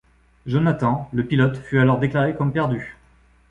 Jonathan, le pilote, fut alors déclaré comme perdu.